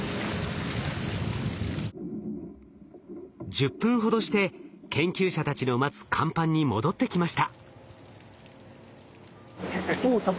１０分ほどして研究者たちの待つ甲板に戻ってきました。